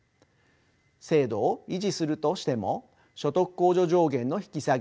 制度を維持するとしても所得控除上限の引き下げ